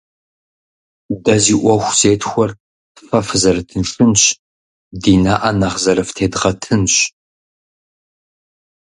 Дэ зи Ӏуэху зетхуэр фэ фызэрытыншынщ, ди нэӀэ нэхъ зэрыфтедгъэтынщ.